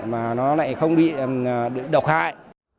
mà nó lại không bị độc hại